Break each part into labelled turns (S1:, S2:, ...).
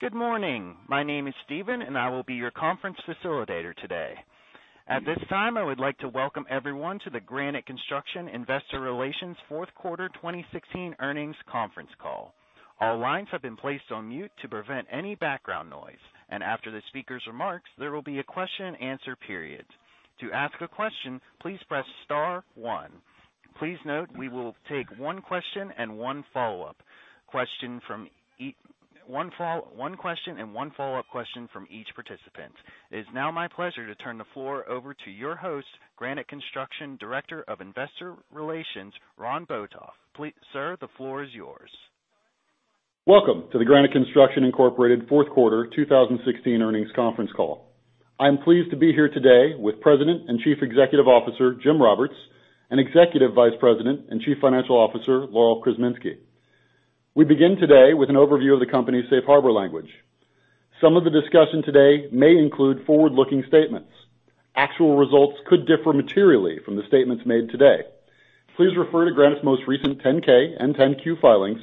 S1: Good morning. My name is Steven, and I will be your conference facilitator today. At this time, I would like to welcome everyone to the Granite Construction Investor Relations Fourth Quarter 2016 Earnings Conference Call. All lines have been placed on mute to prevent any background noise, and after the speaker's remarks, there will be a question-and-answer period. To ask a question, please press star one. Please note we will take one question and one follow-up question and one follow-up question from each participant. It is now my pleasure to turn the floor over to your host, Granite Construction Director of Investor Relations, Ron Botoff. Sir, the floor is yours.
S2: Welcome to the Granite Construction Incorporated Fourth Quarter 2016 Earnings Conference Call. I'm pleased to be here today with President and Chief Executive Officer Jim Roberts, and Executive Vice President and Chief Financial Officer Laurel Krzeminski. We begin today with an overview of the company's safe harbor language. Some of the discussion today may include forward-looking statements. Actual results could differ materially from the statements made today. Please refer to Granite's most recent 10-K and 10-Q filings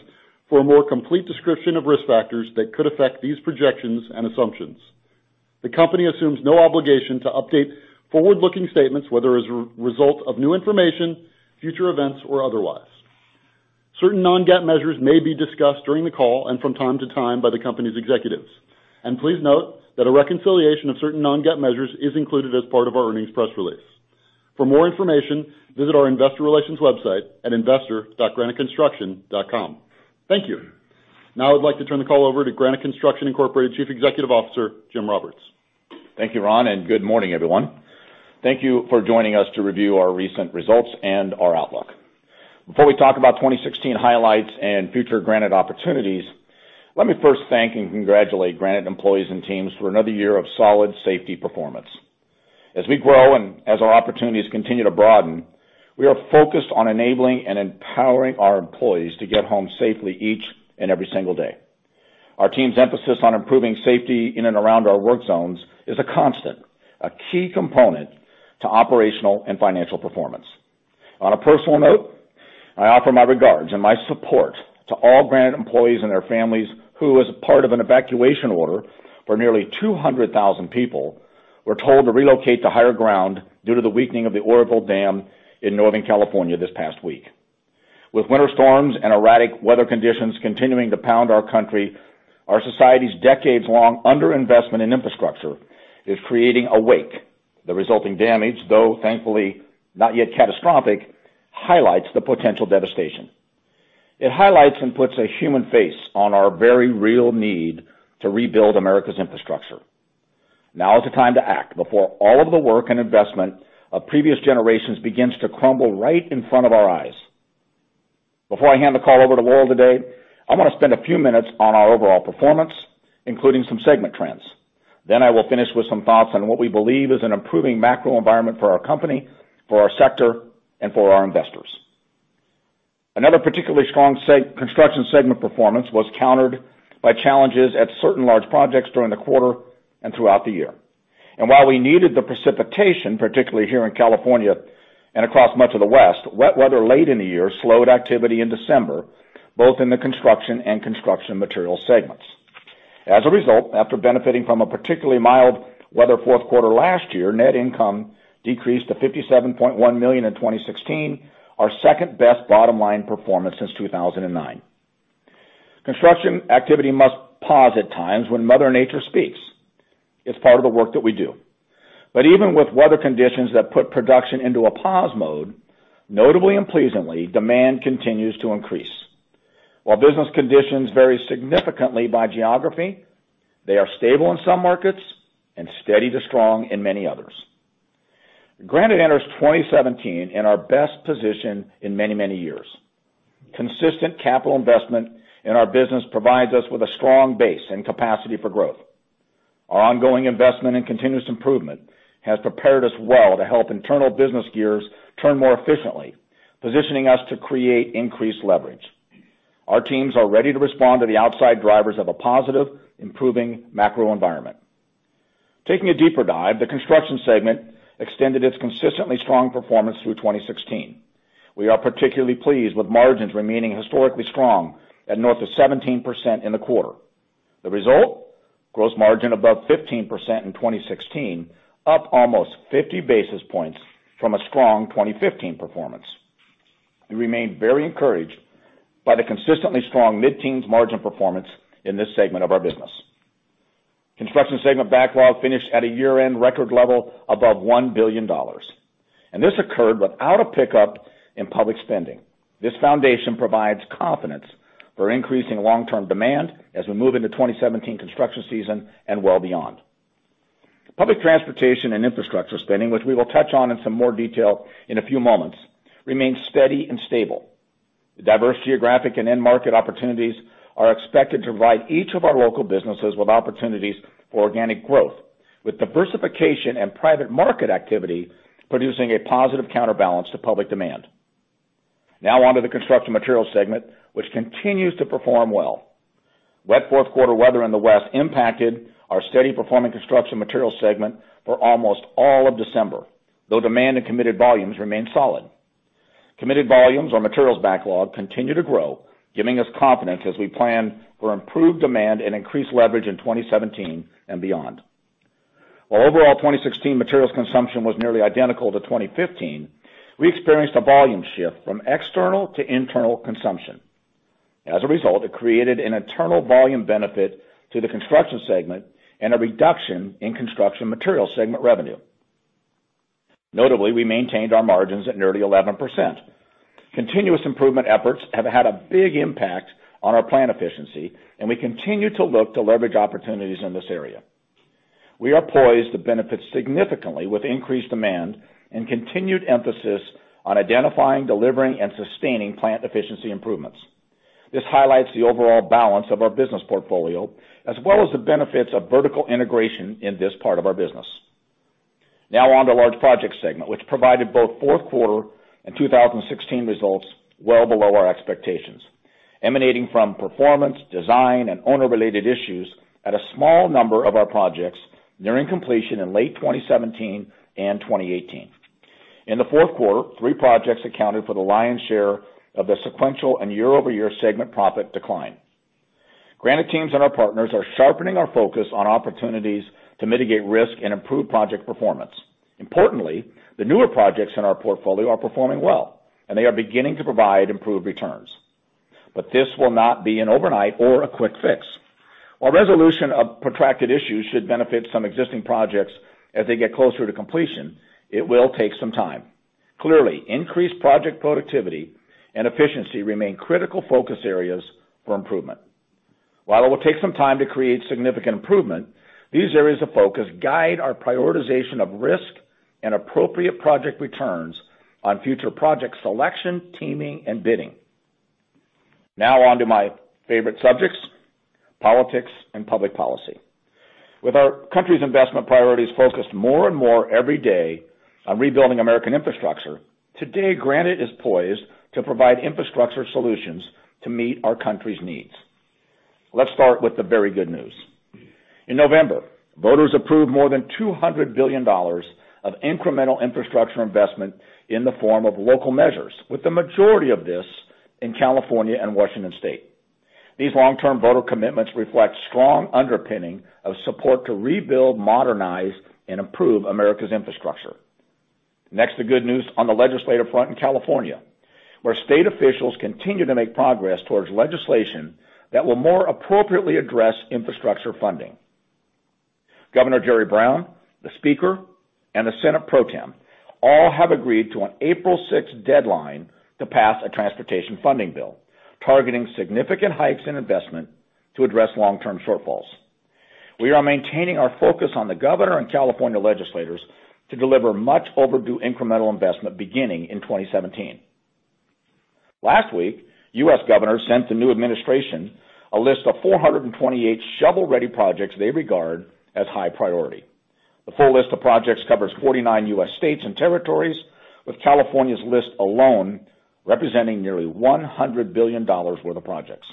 S2: for a more complete description of risk factors that could affect these projections and assumptions. The company assumes no obligation to update forward-looking statements, whether as a result of new information, future events, or otherwise. Certain non-GAAP measures may be discussed during the call and from time to time by the company's executives. Please note that a reconciliation of certain non-GAAP measures is included as part of our earnings press release. For more information, visit our Investor Relations website at investor.graniteconstruction.com. Thank you. Now I'd like to turn the call over to Granite Construction Incorporated Chief Executive Officer, Jim Roberts.
S3: Thank you, Ron, and good morning, everyone. Thank you for joining us to review our recent results and our outlook. Before we talk about 2016 highlights and future Granite opportunities, let me first thank and congratulate Granite employees and teams for another year of solid safety performance. As we grow and as our opportunities continue to broaden, we are focused on enabling and empowering our employees to get home safely each and every single day. Our team's emphasis on improving safety in and around our work zones is a constant, a key component to operational and financial performance. On a personal note, I offer my regards and my support to all Granite employees and their families who, as part of an evacuation order for nearly 200,000 people, were told to relocate to higher ground due to the weakening of the Oroville Dam in Northern California this past week. With winter storms and erratic weather conditions continuing to pound our country, our society's decades-long underinvestment in infrastructure is creating a wake. The resulting damage, though thankfully not yet catastrophic, highlights the potential devastation. It highlights and puts a human face on our very real need to rebuild America's infrastructure. Now is the time to act before all of the work and investment of previous generations begins to crumble right in front of our eyes. Before I hand the call over to Laurel today, I want to spend a few minutes on our overall performance, including some segment trends. Then I will finish with some thoughts on what we believe is an improving macro environment for our company, for our sector, and for our investors. Another particularly strong construction segment performance was countered by challenges at certain large projects during the quarter and throughout the year. While we needed the precipitation, particularly here in California and across much of the West, wet weather late in the year slowed activity in December, both in the construction and construction materials segments. As a result, after benefiting from a particularly mild weather fourth quarter last year, net income decreased to $57.1 million in 2016, our second-best bottom-line performance since 2009. Construction activity must pause at times when Mother Nature speaks. It's part of the work that we do. But even with weather conditions that put production into a pause mode, notably and pleasantly, demand continues to increase. While business conditions vary significantly by geography, they are stable in some markets and steady to strong in many others. Granite enters 2017 in our best position in many, many years. Consistent capital investment in our business provides us with a strong base and capacity for growth. Our ongoing investment and continuous improvement has prepared us well to help internal business gears turn more efficiently, positioning us to create increased leverage. Our teams are ready to respond to the outside drivers of a positive, improving macro environment. Taking a deeper dive, the construction segment extended its consistently strong performance through 2016. We are particularly pleased with margins remaining historically strong at north of 17% in the quarter. The result? Gross margin above 15% in 2016, up almost 50 basis points from a strong 2015 performance. We remain very encouraged by the consistently strong mid-teens margin performance in this segment of our business. Construction segment backlog finished at a year-end record level above $1 billion. And this occurred without a pickup in public spending. This foundation provides confidence for increasing long-term demand as we move into 2017 construction season and well beyond. Public transportation and infrastructure spending, which we will touch on in some more detail in a few moments, remains steady and stable. Diverse geographic and end market opportunities are expected to provide each of our local businesses with opportunities for organic growth, with diversification and private market activity producing a positive counterbalance to public demand. Now onto the construction materials segment, which continues to perform well. Wet fourth quarter weather in the West impacted our steady-performing construction materials segment for almost all of December, though demand and committed volumes remained solid. Committed volumes or materials backlog continue to grow, giving us confidence as we plan for improved demand and increased leverage in 2017 and beyond. While overall 2016 materials consumption was nearly identical to 2015, we experienced a volume shift from external to internal consumption. As a result, it created an internal volume benefit to the construction segment and a reduction in construction materials segment revenue. Notably, we maintained our margins at nearly 11%. Continuous improvement efforts have had a big impact on our plant efficiency, and we continue to look to leverage opportunities in this area. We are poised to benefit significantly with increased demand and continued emphasis on identifying, delivering, and sustaining plant efficiency improvements. This highlights the overall balance of our business portfolio, as well as the benefits of vertical integration in this part of our business. Now on to large projects segment, which provided both fourth quarter and 2016 results well below our expectations, emanating from performance, design, and owner-related issues at a small number of our projects nearing completion in late 2017 and 2018. In the fourth quarter, 3 projects accounted for the lion's share of the sequential and year-over-year segment profit decline. Granite teams and our partners are sharpening our focus on opportunities to mitigate risk and improve project performance. Importantly, the newer projects in our portfolio are performing well, and they are beginning to provide improved returns. But this will not be an overnight or a quick fix. While resolution of protracted issues should benefit some existing projects as they get closer to completion, it will take some time. Clearly, increased project productivity and efficiency remain critical focus areas for improvement. While it will take some time to create significant improvement, these areas of focus guide our prioritization of risk and appropriate project returns on future project selection, teaming, and bidding. Now on to my favorite subjects, politics and public policy. With our country's investment priorities focused more and more every day on rebuilding American infrastructure, today Granite is poised to provide infrastructure solutions to meet our country's needs. Let's start with the very good news. In November, voters approved more than $200 billion of incremental infrastructure investment in the form of local measures, with the majority of this in California and Washington State. These long-term voter commitments reflect strong underpinning of support to rebuild, modernize, and improve America's infrastructure. Next, the good news on the legislative front in California, where state officials continue to make progress towards legislation that will more appropriately address infrastructure funding. Governor Jerry Brown, the Speaker, and the Senate Pro Tem all have agreed to an April 6 deadline to pass a transportation funding bill, targeting significant hikes in investment to address long-term shortfalls. We are maintaining our focus on the governor and California legislators to deliver much-overdue incremental investment beginning in 2017. Last week, U.S. governors sent the new administration a list of 428 shovel-ready projects they regard as high priority. The full list of projects covers 49 U.S. states and territories, with California's list alone representing nearly $100 billion worth of projects.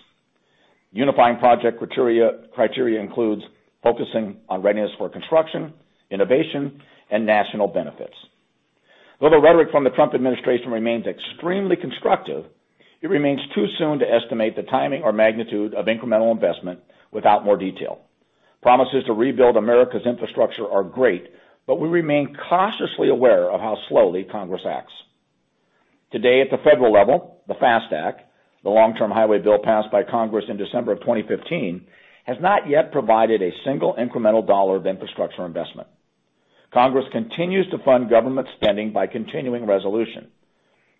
S3: Unifying project criteria includes focusing on readiness for construction, innovation, and national benefits. Though the rhetoric from the Trump administration remains extremely constructive, it remains too soon to estimate the timing or magnitude of incremental investment without more detail. Promises to rebuild America's infrastructure are great, but we remain cautiously aware of how slowly Congress acts. Today, at the federal level, the FAST Act, the long-term highway bill passed by Congress in December of 2015, has not yet provided a single incremental dollar of infrastructure investment. Congress continues to fund government spending by continuing resolution.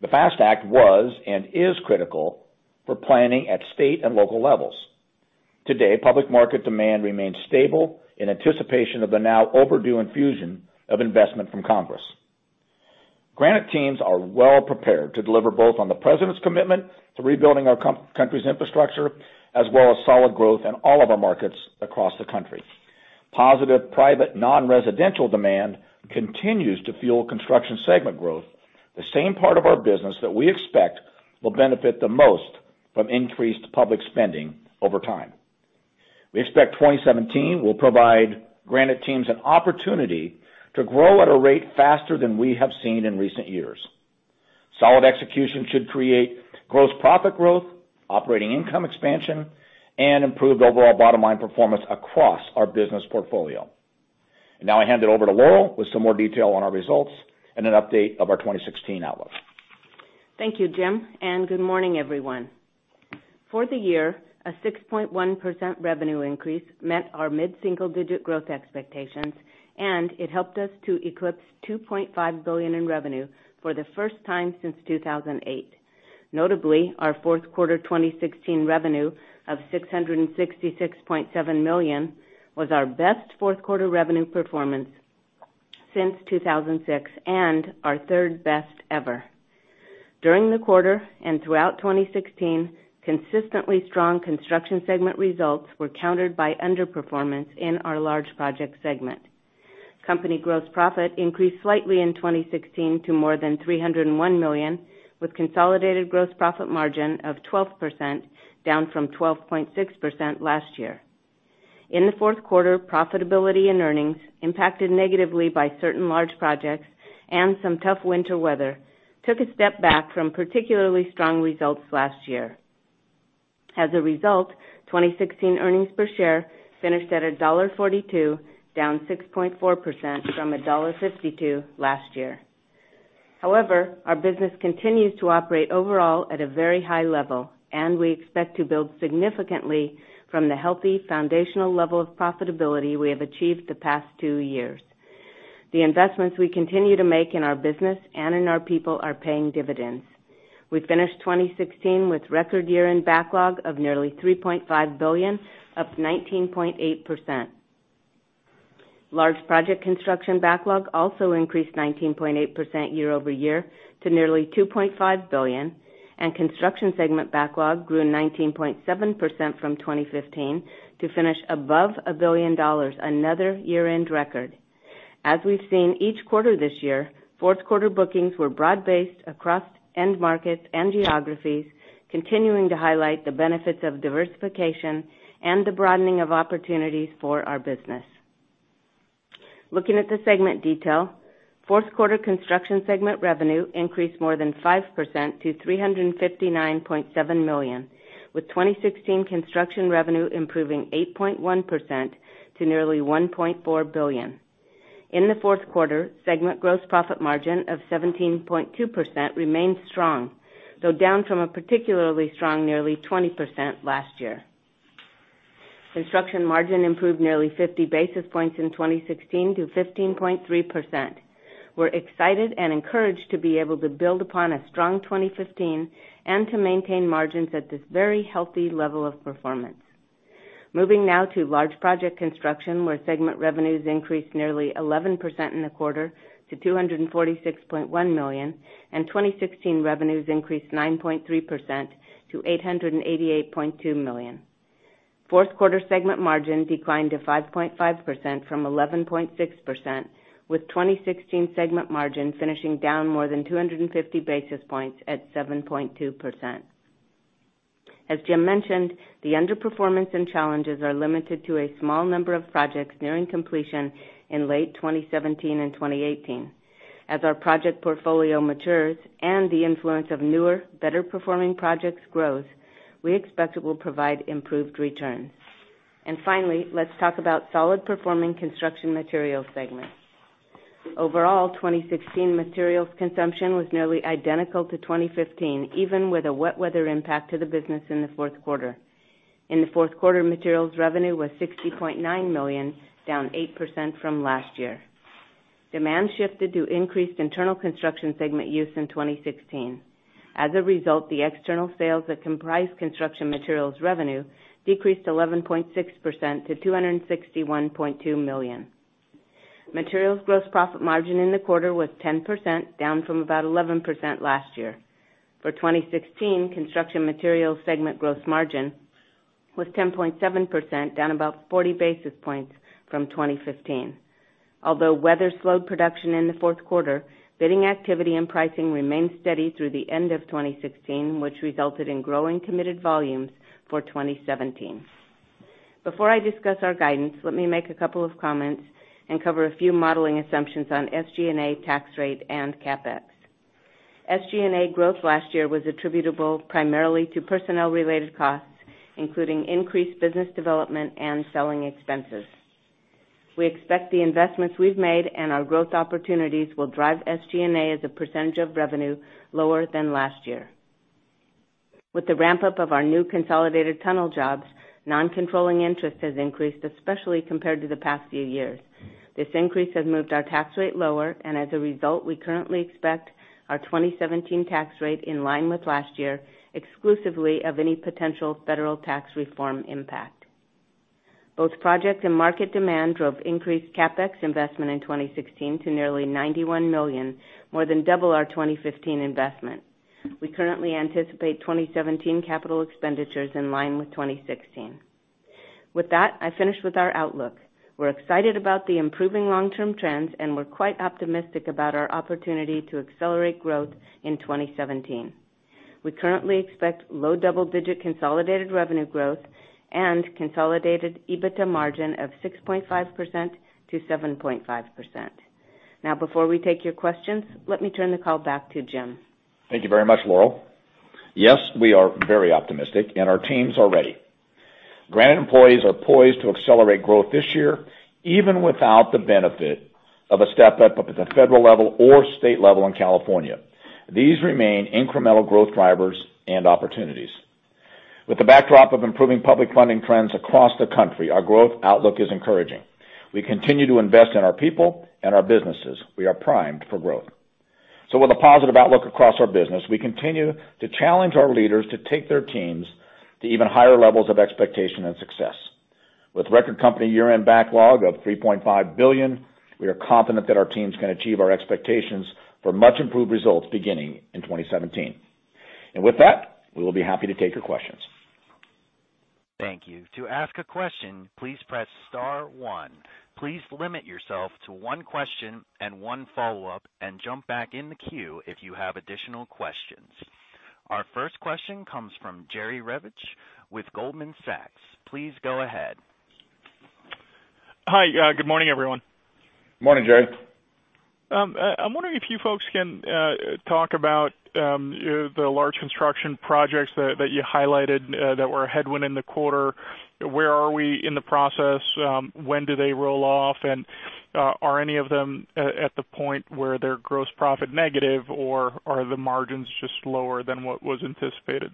S3: The FAST Act was and is critical for planning at state and local levels. Today, public market demand remains stable in anticipation of the now-overdue infusion of investment from Congress. Granite teams are well prepared to deliver both on the president's commitment to rebuilding our country's infrastructure as well as solid growth in all of our markets across the country. Positive private non-residential demand continues to fuel construction segment growth, the same part of our business that we expect will benefit the most from increased public spending over time. We expect 2017 will provide Granite teams an opportunity to grow at a rate faster than we have seen in recent years. Solid execution should create gross profit growth, operating income expansion, and improved overall bottom-line performance across our business portfolio. Now I hand it over to Laurel with some more detail on our results and an update of our 2016 outlook.
S4: Thank you, Jim. Good morning, everyone. For the year, a 6.1% revenue increase met our mid-single-digit growth expectations, and it helped us to eclipse $2.5 billion in revenue for the first time since 2008. Notably, our fourth quarter 2016 revenue of $666.7 million was our best fourth quarter revenue performance since 2006 and our third best ever. During the quarter and throughout 2016, consistently strong construction segment results were countered by underperformance in our large project segment. Company gross profit increased slightly in 2016 to more than $301 million, with consolidated gross profit margin of 12%, down from 12.6% last year. In the fourth quarter, profitability and earnings, impacted negatively by certain large projects and some tough winter weather, took a step back from particularly strong results last year. As a result, 2016 earnings per share finished at $1.42, down 6.4% from $1.52 last year. However, our business continues to operate overall at a very high level, and we expect to build significantly from the healthy, foundational level of profitability we have achieved the past two years. The investments we continue to make in our business and in our people are paying dividends. We finished 2016 with record year-end backlog of nearly $3.5 billion, up 19.8%. Large project construction backlog also increased 19.8% year-over-year to nearly $2.5 billion, and construction segment backlog grew 19.7% from 2015 to finish above $1 billion, another year-end record. As we've seen each quarter this year, fourth quarter bookings were broad-based across end markets and geographies, continuing to highlight the benefits of diversification and the broadening of opportunities for our business. Looking at the segment detail, fourth quarter construction segment revenue increased more than 5% to $359.7 million, with 2016 construction revenue improving 8.1% to nearly $1.4 billion. In the fourth quarter, segment gross profit margin of 17.2% remained strong, though down from a particularly strong nearly 20% last year. Construction margin improved nearly 50 basis points in 2016 to 15.3%. We're excited and encouraged to be able to build upon a strong 2015 and to maintain margins at this very healthy level of performance. Moving now to large project construction, where segment revenues increased nearly 11% in the quarter to $246.1 million, and 2016 revenues increased 9.3% to $888.2 million. Fourth quarter segment margin declined to 5.5% from 11.6%, with 2016 segment margin finishing down more than 250 basis points at 7.2%. As Jim mentioned, the underperformance and challenges are limited to a small number of projects nearing completion in late 2017 and 2018. As our project portfolio matures and the influence of newer, better-performing projects grows, we expect it will provide improved returns. Finally, let's talk about solid-performing construction materials segment. Overall, 2016 materials consumption was nearly identical to 2015, even with a wet weather impact to the business in the fourth quarter. In the fourth quarter, materials revenue was $60.9 million, down 8% from last year. Demand shifted to increased internal construction segment use in 2016. As a result, the external sales that comprise construction materials revenue decreased 11.6% to $261.2 million. Materials gross profit margin in the quarter was 10%, down from about 11% last year. For 2016, construction materials segment gross margin was 10.7%, down about 40 basis points from 2015. Although weather slowed production in the fourth quarter, bidding activity and pricing remained steady through the end of 2016, which resulted in growing committed volumes for 2017. Before I discuss our guidance, let me make a couple of comments and cover a few modeling assumptions on SG&A tax rate and CapEx. SG&A growth last year was attributable primarily to personnel-related costs, including increased business development and selling expenses. We expect the investments we've made and our growth opportunities will drive SG&A as a percentage of revenue lower than last year. With the ramp-up of our new consolidated tunnel jobs, non-controlling interest has increased, especially compared to the past few years. This increase has moved our tax rate lower, and as a result, we currently expect our 2017 tax rate in line with last year, exclusively of any potential federal tax reform impact. Both project and market demand drove increased CapEx investment in 2016 to nearly $91 million, more than double our 2015 investment. We currently anticipate 2017 capital expenditures in line with 2016. With that, I finish with our outlook. We're excited about the improving long-term trends, and we're quite optimistic about our opportunity to accelerate growth in 2017. We currently expect low double-digit consolidated revenue growth and consolidated EBITDA margin of 6.5%-7.5%. Now, before we take your questions, let me turn the call back to Jim.
S3: Thank you very much, Laurel. Yes, we are very optimistic, and our teams are ready. Granite employees are poised to accelerate growth this year, even without the benefit of a step-up at the federal level or state level in California. These remain incremental growth drivers and opportunities. With the backdrop of improving public funding trends across the country, our growth outlook is encouraging. We continue to invest in our people and our businesses. We are primed for growth. So, with a positive outlook across our business, we continue to challenge our leaders to take their teams to even higher levels of expectation and success. With record company year-end backlog of $3.5 billion, we are confident that our teams can achieve our expectations for much-improved results beginning in 2017. And with that, we will be happy to take your questions.
S1: Thank you. To ask a question, please press star one. Please limit yourself to one question and one follow-up, and jump back in the queue if you have additional questions. Our first question comes from Jerry Revich with Goldman Sachs. Please go ahead.
S5: Hi. Good morning, everyone.
S3: Morning, Jerry.
S5: I'm wondering if you folks can talk about the large construction projects that you highlighted that were a headwind in the quarter. Where are we in the process? When do they roll off? And are any of them at the point where they're gross profit negative, or are the margins just lower than what was anticipated?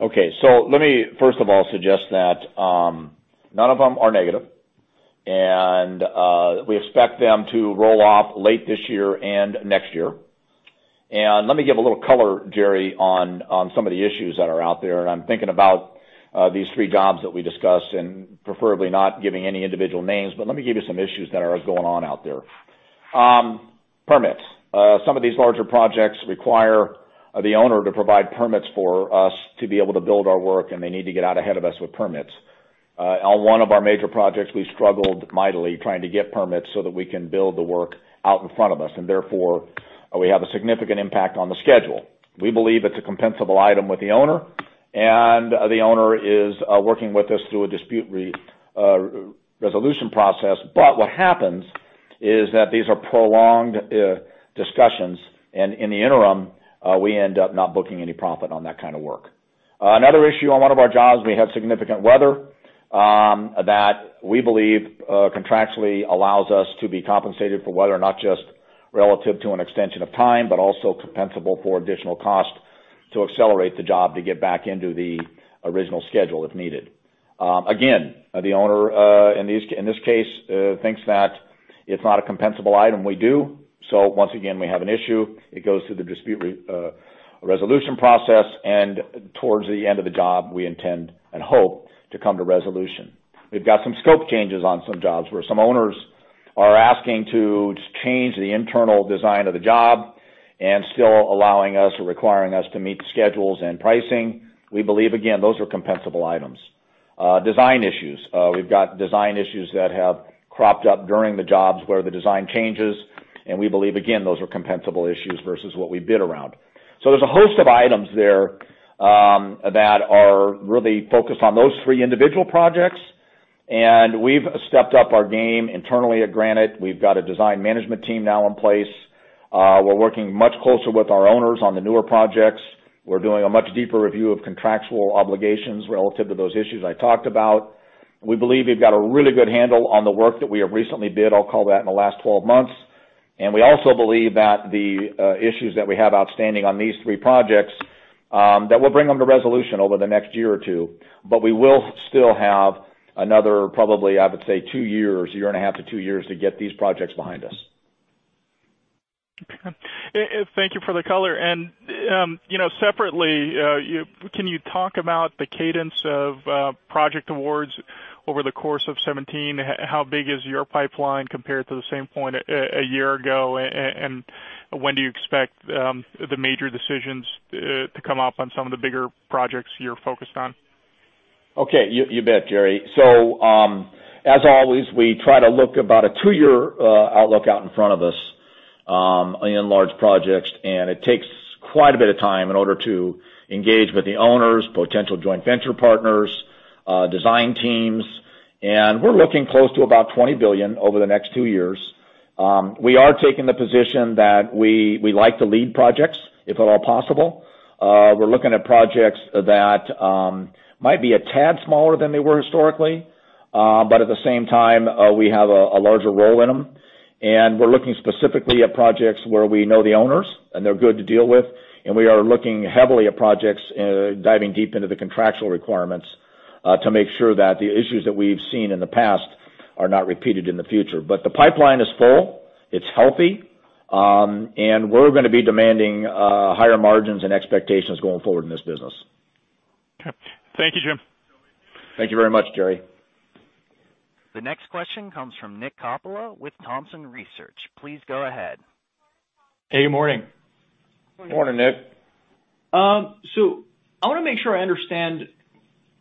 S3: Okay. So let me, first of all, suggest that none of them are negative, and we expect them to roll off late this year and next year. And let me give a little color, Jerry, on some of the issues that are out there. And I'm thinking about these three jobs that we discussed and preferably not giving any individual names, but let me give you some issues that are going on out there. Permits. Some of these larger projects require the owner to provide permits for us to be able to build our work, and they need to get out ahead of us with permits. On one of our major projects, we struggled mightily trying to get permits so that we can build the work out in front of us, and therefore, we have a significant impact on the schedule. We believe it's a compensable item with the owner, and the owner is working with us through a dispute resolution process. But what happens is that these are prolonged discussions, and in the interim, we end up not booking any profit on that kind of work. Another issue on one of our jobs, we had significant weather that we believe contractually allows us to be compensated for weather, not just relative to an extension of time, but also compensable for additional cost to accelerate the job to get back into the original schedule if needed. Again, the owner in this case thinks that it's not a compensable item. We do. So once again, we have an issue. It goes through the dispute resolution process, and towards the end of the job, we intend and hope to come to resolution. We've got some scope changes on some jobs where some owners are asking to change the internal design of the job and still allowing us or requiring us to meet schedules and pricing. We believe, again, those are compensable items. Design issues. We've got design issues that have cropped up during the jobs where the design changes, and we believe, again, those are compensable issues versus what we bid around. So there's a host of items there that are really focused on those three individual projects, and we've stepped up our game internally at Granite. We've got a design management team now in place. We're working much closer with our owners on the newer projects. We're doing a much deeper review of contractual obligations relative to those issues I talked about. We believe we've got a really good handle on the work that we have recently bid, I'll call that, in the last 12 months. We also believe that the issues that we have outstanding on these three projects, that we'll bring them to resolution over the next year or two, but we will still have another, probably, I would say, two years, a year and a half to two years to get these projects behind us.
S5: Okay. Thank you for the color. And separately, can you talk about the cadence of project awards over the course of 2017? How big is your pipeline compared to the same point a year ago, and when do you expect the major decisions to come up on some of the bigger projects you're focused on?
S3: Okay. You bet, Jerry. So as always, we try to look about a two-year outlook out in front of us in large projects, and it takes quite a bit of time in order to engage with the owners, potential joint venture partners, design teams. We're looking close to about $20 billion over the next two years. We are taking the position that we like to lead projects, if at all possible. We're looking at projects that might be a tad smaller than they were historically, but at the same time, we have a larger role in them. We're looking specifically at projects where we know the owners and they're good to deal with, and we are looking heavily at projects diving deep into the contractual requirements to make sure that the issues that we've seen in the past are not repeated in the future. But the pipeline is full. It's healthy, and we're going to be demanding higher margins and expectations going forward in this business.
S5: Okay. Thank you, Jim.
S3: Thank you very much, Jerry.
S1: The next question comes from Nick Coppola with Thompson Research. Please go ahead.
S6: Hey, good morning.
S3: Morning, Nick.
S6: I want to make sure I understand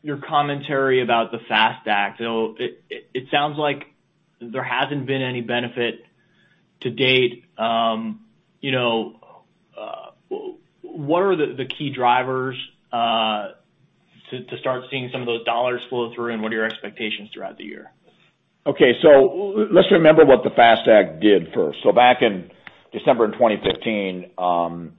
S6: your commentary about the FAST Act. It sounds like there hasn't been any benefit to date. What are the key drivers to start seeing some of those dollars flow through, and what are your expectations throughout the year?
S3: Okay. So let's remember what the FAST Act did first. So back in December 2015,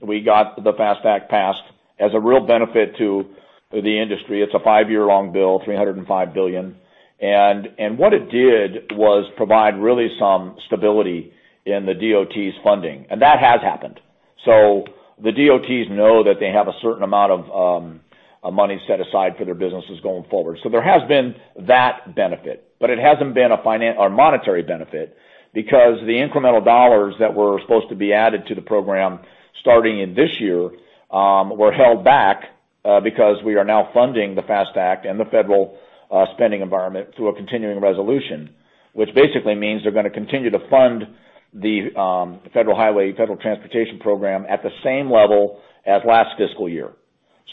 S3: we got the FAST Act passed as a real benefit to the industry. It's a 5-year-long bill, $305 billion. And what it did was provide really some stability in the DOT's funding, and that has happened. So the DOTs know that they have a certain amount of money set aside for their businesses going forward. So there has been that benefit, but it hasn't been a monetary benefit because the incremental dollars that were supposed to be added to the program starting in this year were held back because we are now funding the FAST Act and the federal spending environment through a continuing resolution, which basically means they're going to continue to fund the Federal Highway, Federal Transportation Program at the same level as last fiscal year.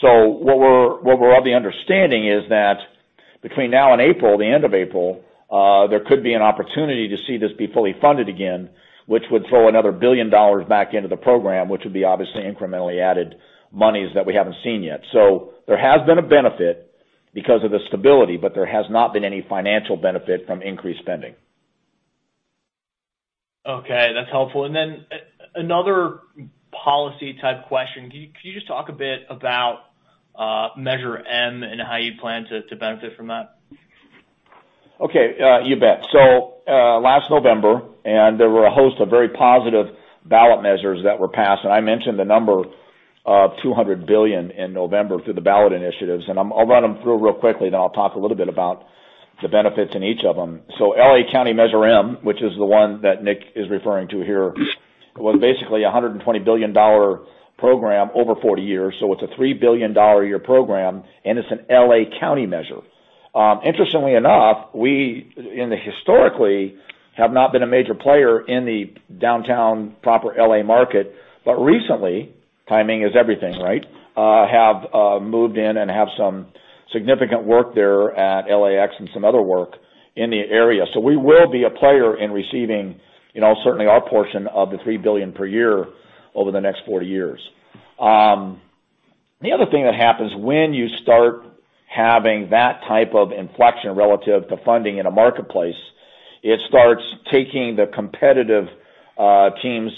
S3: So what we're already understanding is that between now and April, the end of April, there could be an opportunity to see this be fully funded again, which would throw another $1 billion back into the program, which would be obviously incrementally added monies that we haven't seen yet. So there has been a benefit because of the stability, but there has not been any financial benefit from increased spending.
S6: Okay. That's helpful. Then another policy-type question. Could you just talk a bit about Measure M and how you plan to benefit from that?
S3: Okay. You bet. So last November, there were a host of very positive ballot measures that were passed, and I mentioned the number of $200 billion in November through the ballot initiatives. And I'll run them through real quickly, then I'll talk a little bit about the benefits in each of them. So LA County Measure M, which is the one that Nick is referring to here, was basically a $120 billion program over 40 years. So it's a $3 billion a year program, and it's an LA County measure. Interestingly enough, we historically have not been a major player in the downtown proper LA market, but recently, timing is everything, right, have moved in and have some significant work there at LAX and some other work in the area. So we will be a player in receiving, certainly, our portion of the $3 billion per year over the next 40 years. The other thing that happens when you start having that type of inflection relative to funding in a marketplace, it starts taking the competitive team's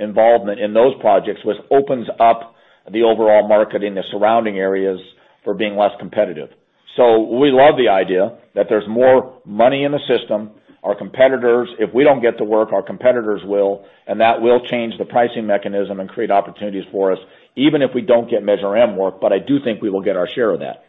S3: involvement in those projects, which opens up the overall market in the surrounding areas for being less competitive. So we love the idea that there's more money in the system. If we don't get the work, our competitors will, and that will change the pricing mechanism and create opportunities for us, even if we don't get Measure M work, but I do think we will get our share of that.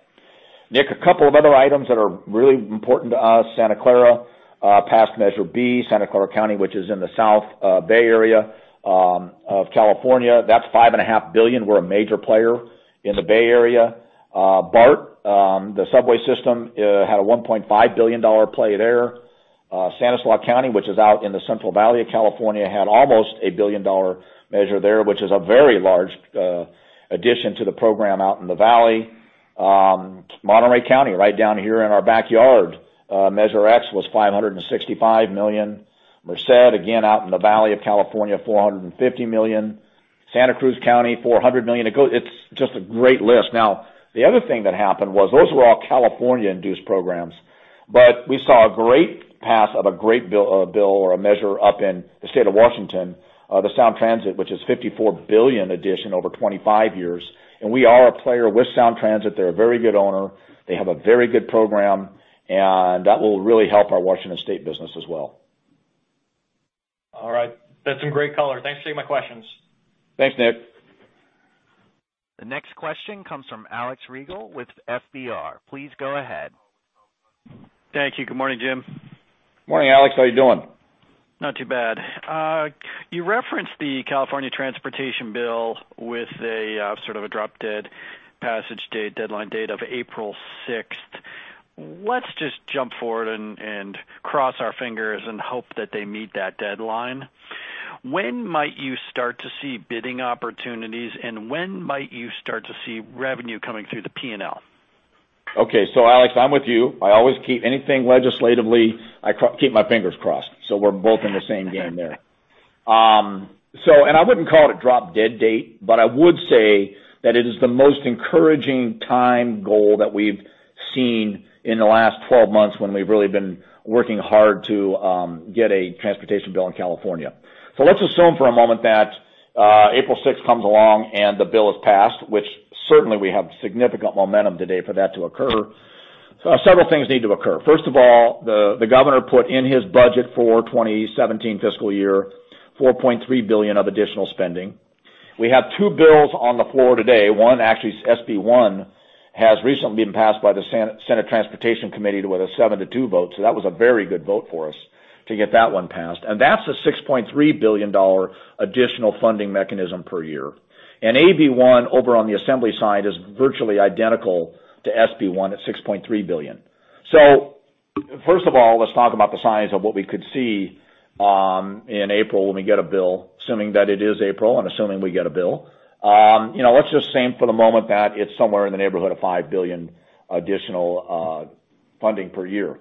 S3: Nick, a couple of other items that are really important to us: Santa Clara, past Measure B, Santa Clara County, which is in the South Bay Area of California. That's $5.5 billion. We're a major player in the Bay Area. BART, the subway system, had a $1.5 billion play there. Stanislaus County, which is out in the Central Valley of California, had almost a billion-dollar measure there, which is a very large addition to the program out in the valley. Monterey County, right down here in our backyard, Measure X was $565 million. Merced, again, out in the valley of California, $450 million. Santa Cruz County, $400 million. It's just a great list. Now, the other thing that happened was those were all California-induced programs, but we saw a great pass of a great bill or a measure up in the state of Washington, the Sound Transit, which is a $54 billion addition over 25 years. And we are a player with Sound Transit. They're a very good owner. They have a very good program, and that will really help our Washington state business as well.
S6: All right. That's some great color. Thanks for taking my questions.
S3: Thanks, Nick.
S1: The next question comes from Alex Ragle with FBR. Please go ahead.
S7: Thank you. Good morning, Jim.
S3: Morning, Alex. How are you doing?
S7: Not too bad. You referenced the California Transportation Bill with a sort of a drop-dead passage date, deadline date of April 6th. Let's just jump forward and cross our fingers and hope that they meet that deadline. When might you start to see bidding opportunities, and when might you start to see revenue coming through the P&L?
S3: Okay. So, Alex, I'm with you. I always keep anything legislatively, I keep my fingers crossed. So we're both in the same game there. And I wouldn't call it a drop-dead date, but I would say that it is the most encouraging time goal that we've seen in the last 12 months when we've really been working hard to get a transportation bill in California. So let's assume for a moment that April 6th comes along and the bill is passed, which certainly we have significant momentum today for that to occur. Several things need to occur. First of all, the governor put in his budget for 2017 fiscal year $4.3 billion of additional spending. We have two bills on the floor today. One, actually, SB 1, has recently been passed by the Senate Transportation Committee with a 7-2 vote. So that was a very good vote for us to get that one passed. And that's a $6.3 billion additional funding mechanism per year. And AB 1 over on the Assembly side is virtually identical to SB 1 at $6.3 billion. So first of all, let's talk about the size of what we could see in April when we get a bill, assuming that it is April and assuming we get a bill. Let's just say for the moment that it's somewhere in the neighborhood of $5 billion additional funding per year.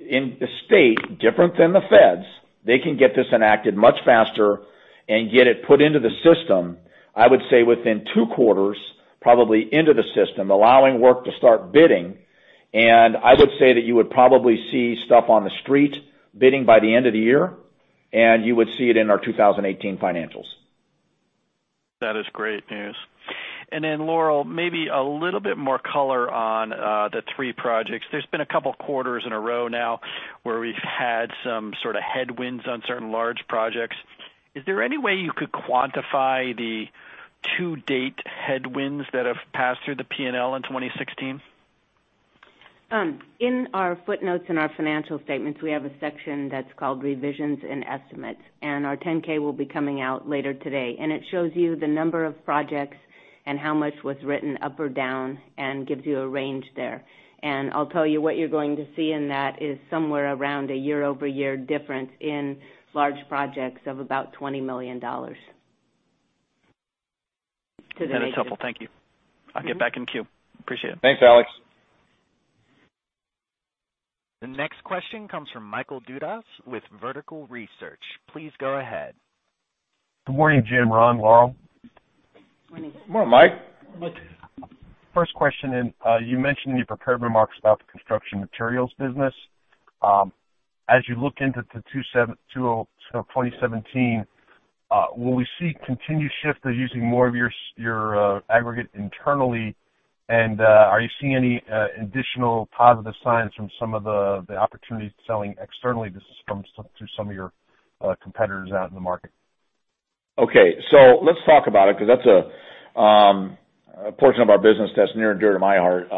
S3: In the state, different than the feds, they can get this enacted much faster and get it put into the system, I would say within two quarters, probably into the system, allowing work to start bidding. I would say that you would probably see stuff on the street bidding by the end of the year, and you would see it in our 2018 financials.
S7: That is great news. Then, Laurel, maybe a little bit more color on the three projects. There's been a couple of quarters in a row now where we've had some sort of headwinds on certain large projects. Is there any way you could quantify the to-date headwinds that have passed through the P&L in 2016?
S4: In our footnotes and our financial statements, we have a section that's called revisions and estimates, and our 10-K will be coming out later today. It shows you the number of projects and how much was written up or down and gives you a range there. I'll tell you what you're going to see in that is somewhere around a year-over-year difference in large projects of about $20 million to the negative.
S7: That is helpful. Thank you. I'll get back in queue. Appreciate it.
S3: Thanks, Alex.
S1: The next question comes from Michael Dudas with Vertical Research. Please go ahead.
S8: Good morning, Jim. Ron, Laurel.
S4: Morning.
S3: Morning, Mike.
S8: Morning, Mike. First question, you mentioned in your prepared remarks about the construction materials business. As you look into the 2017, will we see continued shifts to using more of your aggregate internally, and are you seeing any additional positive signs from some of the opportunities selling externally to some of your competitors out in the market?
S3: Okay. So let's talk about it because that's a portion of our business that's near and dear to my heart.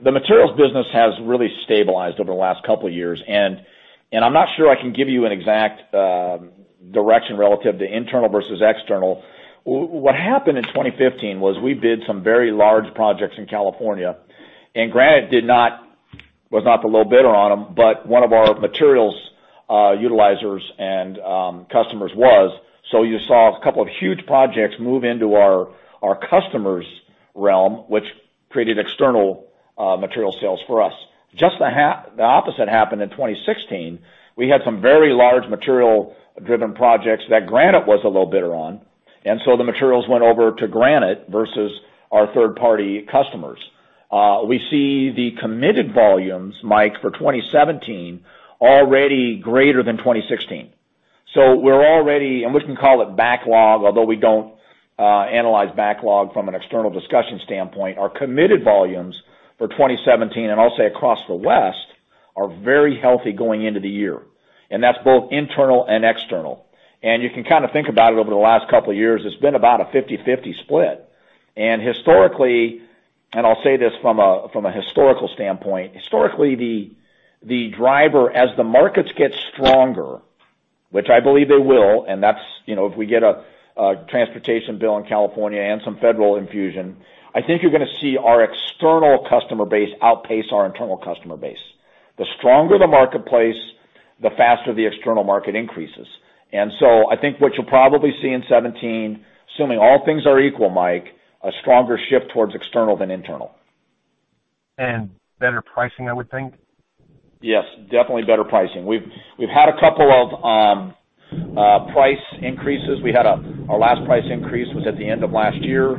S3: The materials business has really stabilized over the last couple of years, and I'm not sure I can give you an exact direction relative to internal versus external. What happened in 2015 was we bid some very large projects in California, and Granite was not the low bidder on them, but one of our materials utilizers and customers was. So you saw a couple of huge projects move into our customers' realm, which created external material sales for us. Just the opposite happened in 2016. We had some very large material-driven projects that Granite was the low bidder on, and so the materials went over to Granite versus our third-party customers. We see the committed volumes, Mike, for 2017 already greater than 2016. So we're already, and we can call it backlog, although we don't analyze backlog from an external discussion standpoint, our committed volumes for 2017, and I'll say across the west, are very healthy going into the year. That's both internal and external. You can kind of think about it over the last couple of years, it's been about a 50/50 split. Historically, and I'll say this from a historical standpoint, historically, the driver, as the markets get stronger, which I believe they will, and that's if we get a transportation bill in California and some federal infusion, I think you're going to see our external customer base outpace our internal customer base. The stronger the marketplace, the faster the external market increases. So I think what you'll probably see in 2017, assuming all things are equal, Mike, a stronger shift towards external than internal.
S8: Better pricing, I would think.
S3: Yes, definitely better pricing. We've had a couple of price increases. Our last price increase was at the end of last year.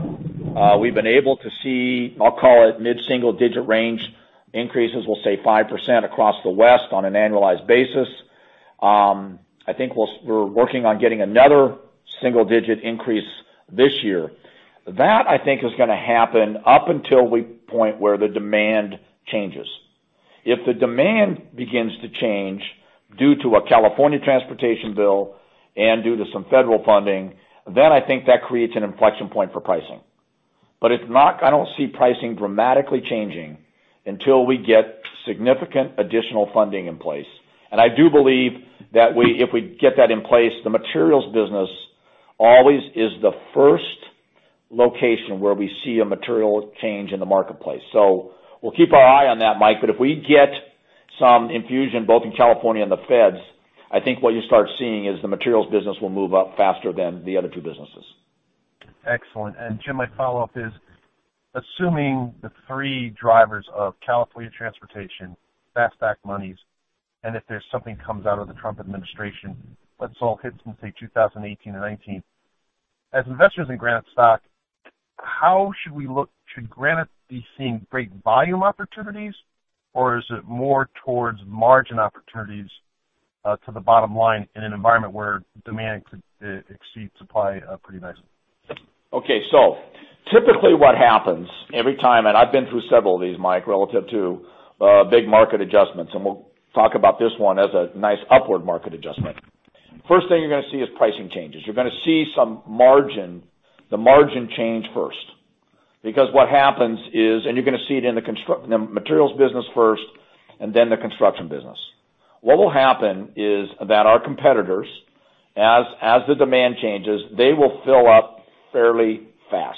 S3: We've been able to see, I'll call it mid-single-digit range increases, we'll say 5% across the west on an annualized basis. I think we're working on getting another single-digit increase this year. That, I think, is going to happen up until the point where the demand changes. If the demand begins to change due to a California Transportation Bill and due to some federal funding, then I think that creates an inflection point for pricing. But I don't see pricing dramatically changing until we get significant additional funding in place. And I do believe that if we get that in place, the materials business always is the first location where we see a material change in the marketplace. So we'll keep our eye on that, Mike, but if we get some infusion both in California and the feds, I think what you start seeing is the materials business will move up faster than the other two businesses.
S8: Excellent. Jim, my follow-up is, assuming the three drivers of California transportation, FAST Act, SB 1 monies, and if there's something that comes out of the Trump administration, let's all hit it and say 2018 and 2019, as investors in Granite stock, how should we look? Should Granite be seeing great volume opportunities, or is it more towards margin opportunities to the bottom line in an environment where demand could exceed supply pretty nicely?
S3: Okay. So typically what happens every time, and I've been through several of these, Mike, relative to big market adjustments, and we'll talk about this one as a nice upward market adjustment. First thing you're going to see is pricing changes. You're going to see some margin, the margin change first. Because what happens is, and you're going to see it in the materials business first and then the construction business. What will happen is that our competitors, as the demand changes, they will fill up fairly fast.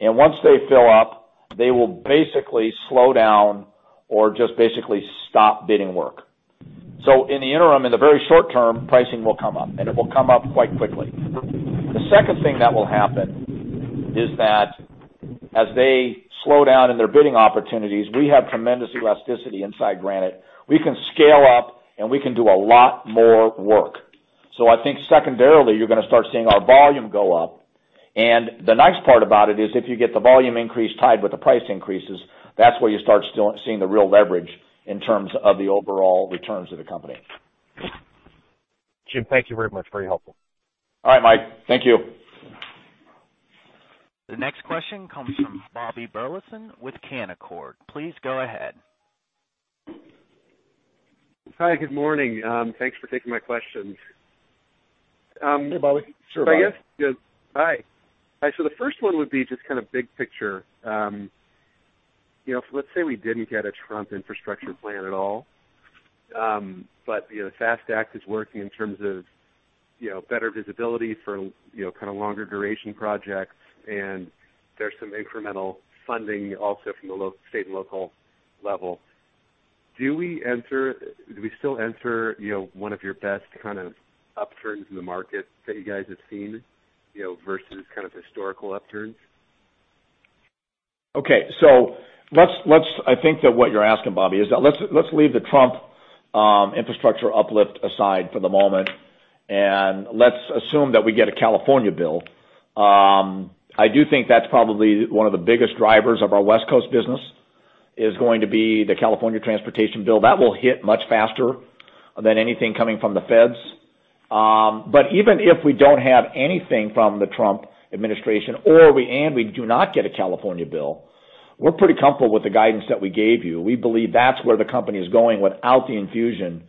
S3: And once they fill up, they will basically slow down or just basically stop bidding work. So in the interim, in the very short term, pricing will come up, and it will come up quite quickly. The second thing that will happen is that as they slow down in their bidding opportunities, we have tremendous elasticity inside Granite. We can scale up, and we can do a lot more work. I think secondarily, you're going to start seeing our volume go up. The nice part about it is if you get the volume increase tied with the price increases, that's where you start seeing the real leverage in terms of the overall returns of the company.
S8: Jim, thank you very much for your help.
S3: All right, Mike. Thank you.
S1: The next question comes from Bobby Burleson with Canaccord. Please go ahead.
S9: Hi, good morning. Thanks for taking my questions.
S2: Hey, Bobby.
S3: Sure, Bobby.
S9: Hi. So the first one would be just kind of big picture. Let's say we didn't get a Trump infrastructure plan at all, but the FAST Act is working in terms of better visibility for kind of longer duration projects, and there's some incremental funding also from the state and local level. Do we still enter one of your best kind of upturns in the market that you guys have seen versus kind of historical upturns?
S3: Okay. So I think that what you're asking, Bobby, is that let's leave the Trump infrastructure uplift aside for the moment, and let's assume that we get a California bill. I do think that's probably one of the biggest drivers of our West Coast business is going to be the California Transportation Bill. That will hit much faster than anything coming from the feds. But even if we don't have anything from the Trump administration and we do not get a California bill, we're pretty comfortable with the guidance that we gave you. We believe that's where the company is going without the infusion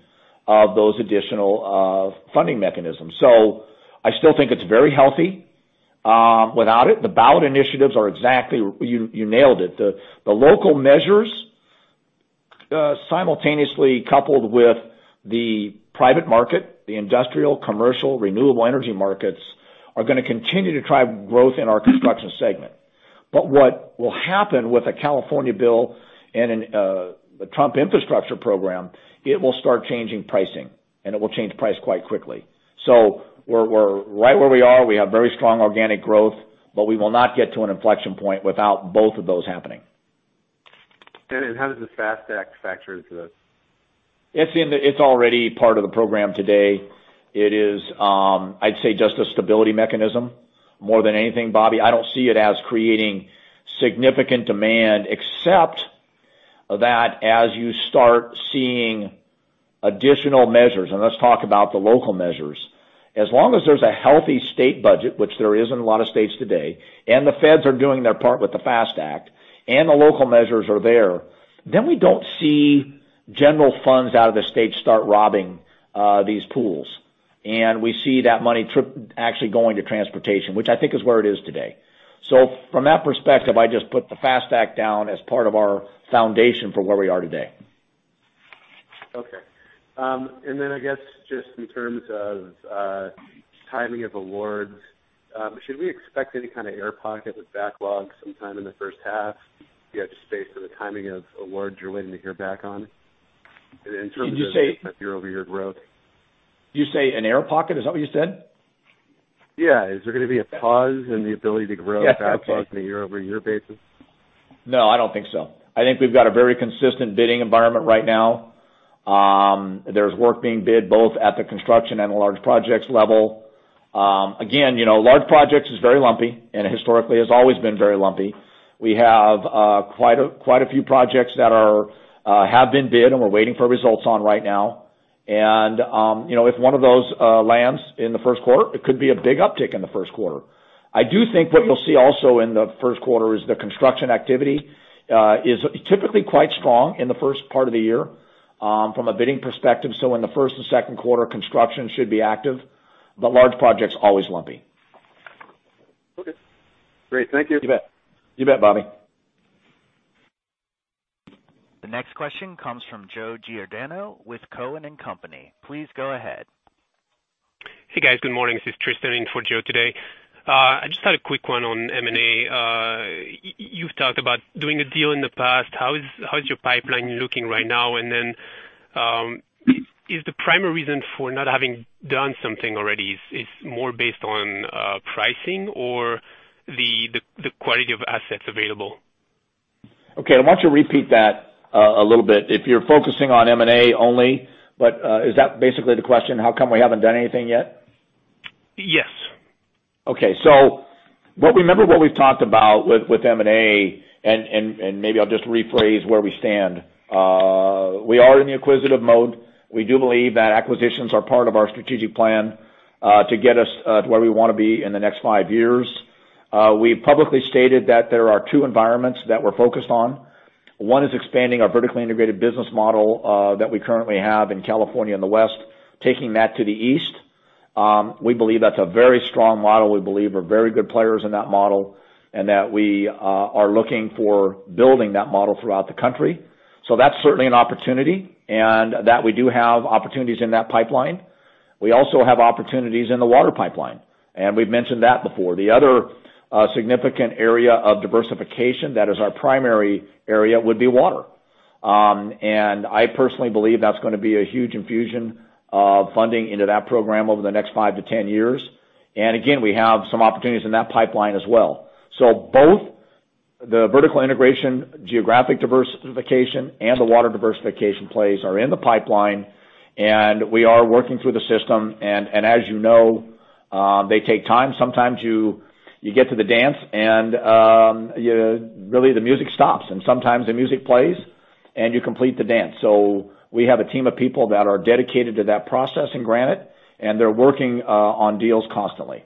S3: of those additional funding mechanisms. So I still think it's very healthy without it. The BART initiatives are exactly - you nailed it. The local measures, simultaneously coupled with the private market, the industrial, commercial, renewable energy markets, are going to continue to drive growth in our construction segment. But what will happen with a California bill and the Trump infrastructure program, it will start changing pricing, and it will change price quite quickly. So we're right where we are. We have very strong organic growth, but we will not get to an inflection point without both of those happening.
S9: How does the FAST Act factor into this?
S3: It's already part of the program today. It is, I'd say, just a stability mechanism more than anything, Bobby. I don't see it as creating significant demand except that as you start seeing additional measures—and let's talk about the local measures—as long as there's a healthy state budget, which there is in a lot of states today, and the feds are doing their part with the FAST Act, and the local measures are there, then we don't see general funds out of the states start robbing these pools. And we see that money actually going to transportation, which I think is where it is today. So from that perspective, I just put the FAST Act down as part of our foundation for where we are today.
S9: Okay. And then I guess just in terms of timing of awards, should we expect any kind of air pocket with backlog sometime in the first half? You have to space for the timing of awards you're waiting to hear back on. And in terms of.
S3: Did you say?
S9: Your year-over-year growth?
S3: Did you say an air pocket? Is that what you said?
S9: Yeah. Is there going to be a pause in the ability to grow at that pause in the year-over-year basis?
S3: No, I don't think so. I think we've got a very consistent bidding environment right now. There's work being bid both at the construction and the large projects level. Again, large projects is very lumpy, and historically has always been very lumpy. We have quite a few projects that have been bid and we're waiting for results on right now. And if one of those lands in the first quarter, it could be a big uptick in the first quarter. I do think what you'll see also in the first quarter is the construction activity is typically quite strong in the first part of the year from a bidding perspective. So in the first and second quarter, construction should be active, but large projects are always lumpy.
S9: Okay. Great. Thank you.
S3: You bet. You bet, Bobby.
S1: The next question comes from Joe Giordano with Cowen and Company. Please go ahead.
S10: Hey, guys. Good morning. This is Tristan in for Joe today. I just had a quick one on M&A. You've talked about doing a deal in the past. How is your pipeline looking right now? And then is the primary reason for not having done something already more based on pricing or the quality of assets available?
S3: Okay. I want you to repeat that a little bit. If you're focusing on M&A only? But is that basically the question? How come we haven't done anything yet?
S10: Yes.
S3: Okay. So remember what we've talked about with M&A, and maybe I'll just rephrase where we stand. We are in the acquisitive mode. We do believe that acquisitions are part of our strategic plan to get us to where we want to be in the next five years. We publicly stated that there are two environments that we're focused on. One is expanding our vertically integrated business model that we currently have in California and the West, taking that to the East. We believe that's a very strong model. We believe we're very good players in that model and that we are looking for building that model throughout the country. So that's certainly an opportunity, and that we do have opportunities in that pipeline. We also have opportunities in the water pipeline, and we've mentioned that before. The other significant area of diversification that is our primary area would be water. I personally believe that's going to be a huge infusion of funding into that program over the next 5-10 years. Again, we have some opportunities in that pipeline as well. Both the vertical integration, geographic diversification, and the water diversification plays are in the pipeline, and we are working through the system. As you know, they take time. Sometimes you get to the dance, and really the music stops, and sometimes the music plays, and you complete the dance. We have a team of people that are dedicated to that process in Granite, and they're working on deals constantly.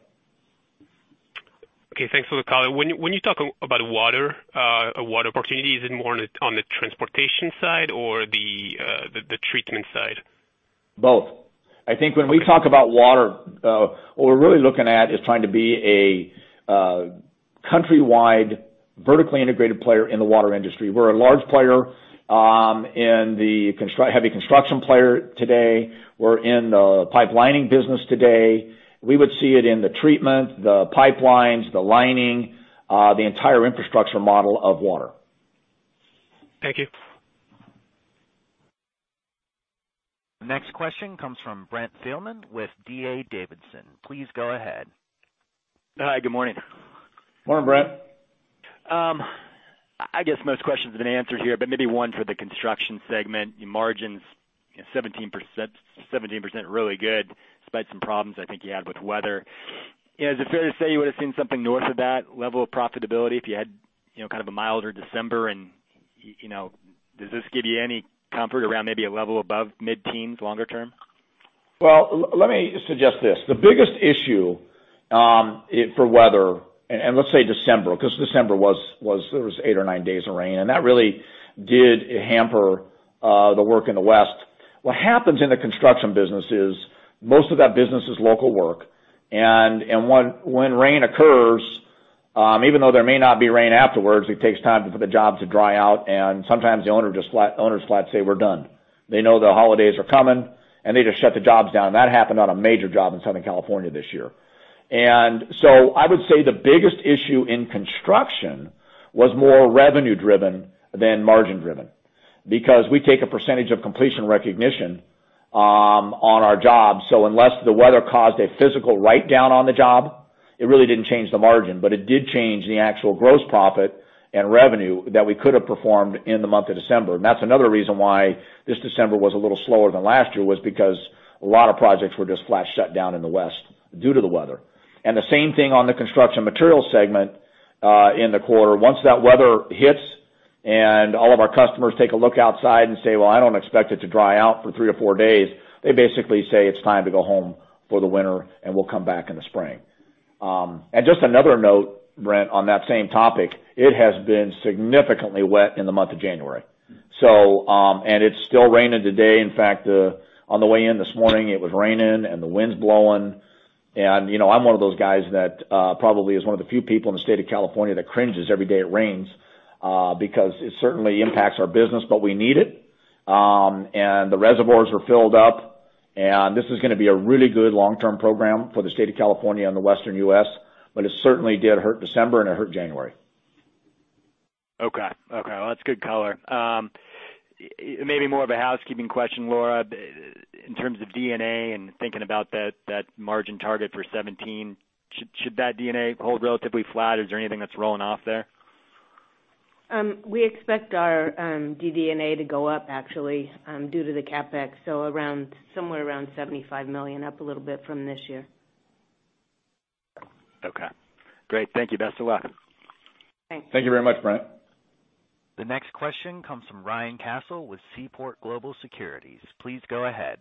S11: Okay. Thanks for the call. When you talk about water, a water opportunity, is it more on the transportation side or the treatment side?
S3: Both. I think when we talk about water, what we're really looking at is trying to be a countrywide vertically integrated player in the water industry. We're a large player in the heavy construction player today. We're in the pipelining business today. We would see it in the treatment, the pipelines, the lining, the entire infrastructure model of water.
S11: Thank you.
S1: The next question comes from Brent Thielman with D.A. Davidson. Please go ahead.
S12: Hi. Good morning.
S3: Morning, Brent.
S12: I guess most questions have been answered here, but maybe one for the construction segment. Margins, 17%, really good despite some problems I think you had with weather. Is it fair to say you would have seen something north of that level of profitability if you had kind of a milder December? And does this give you any comfort around maybe a level above mid-teens longer term?
S3: Well, let me suggest this. The biggest issue for weather, and let's say December, because December was, there was 8 or 9 days of rain, and that really did hamper the work in the west. What happens in the construction business is most of that business is local work. And when rain occurs, even though there may not be rain afterwards, it takes time for the job to dry out, and sometimes the owners flat say, "We're done." They know the holidays are coming, and they just shut the jobs down. And that happened on a major job in Southern California this year. And so I would say the biggest issue in construction was more revenue-driven than margin-driven because we take a percentage of completion recognition on our job. So unless the weather caused a physical write-down on the job, it really didn't change the margin, but it did change the actual gross profit and revenue that we could have performed in the month of December. That's another reason why this December was a little slower than last year was because a lot of projects were just flash shut down in the west due to the weather. The same thing on the construction materials segment in the quarter. Once that weather hits and all of our customers take a look outside and say, "Well, I don't expect it to dry out for three or four days," they basically say, "It's time to go home for the winter, and we'll come back in the spring." Just another note, Brent, on that same topic, it has been significantly wet in the month of January. It's still raining today. In fact, on the way in this morning, it was raining and the wind's blowing. I'm one of those guys that probably is one of the few people in the state of California that cringes every day it rains because it certainly impacts our business, but we need it. The reservoirs are filled up, and this is going to be a really good long-term program for the state of California and the western U.S., but it certainly did hurt December, and it hurt January.
S12: Okay. Okay. Well, that's good color. Maybe more of a housekeeping question, Laurel, in terms of D&A and thinking about that margin target for 2017. Should that D&A hold relatively flat? Is there anything that's rolling off there?
S4: We expect our DD&A to go up actually due to the CapEx, so somewhere around $75 million, up a little bit from this year.
S12: Okay. Great. Thank you. Best of luck.
S4: Thanks.
S3: Thank you very much, Brent.
S1: The next question comes from Ryan Cassil with Seaport Global Securities. Please go ahead.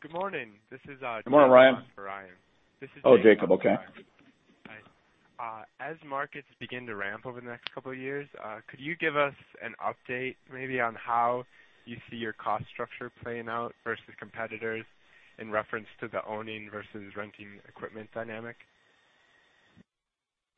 S13: Good morning. This is Jacob.
S3: Good morning, Ryan.
S13: This is Jacob.
S3: Oh, Jacob. Okay.
S13: As markets begin to ramp over the next couple of years, could you give us an update maybe on how you see your cost structure playing out versus competitors in reference to the owning versus renting equipment dynamic?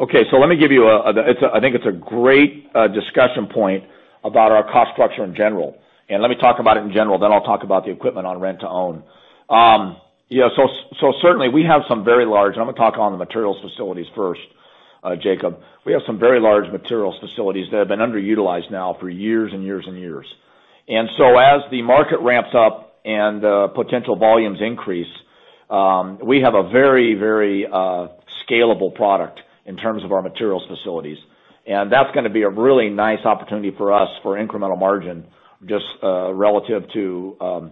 S3: Okay. So let me give you a—I think it's a great discussion point about our cost structure in general. And let me talk about it in general, then I'll talk about the equipment on rent to own. So certainly, we have some very large—and I'm going to talk on the materials facilities first, Jacob. We have some very large materials facilities that have been underutilized now for years and years and years. And so as the market ramps up and potential volumes increase, we have a very, very scalable product in terms of our materials facilities. And that's going to be a really nice opportunity for us for incremental margin just relative to